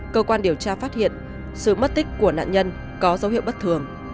cơ quan điều tra phát hiện sự mất tích của nạn nhân có dấu hiệu bất thường